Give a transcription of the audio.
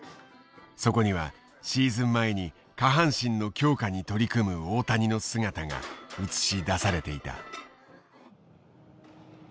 そこにはシーズン前に下半身の強化に取り組む大谷の姿が映し出されていた。